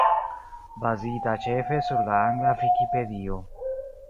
Bazita ĉefe sur la angla Vikipedio.